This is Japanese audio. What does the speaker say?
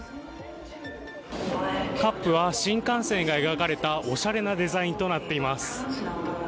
カップは新幹線が描かれたおしゃれなデザインとなっています。